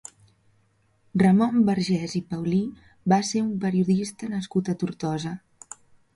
Ramon Vergés i Paulí va ser un periodista nascut a Tortosa.